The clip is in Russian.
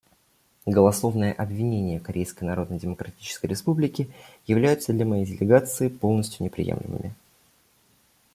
Голословные обвинения Корейской Народно-Демократической Республики являются для моей делегации полностью неприемлемыми.